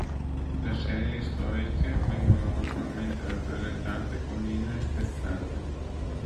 Le serie storiche vengono normalmente rappresentate con linee spezzate.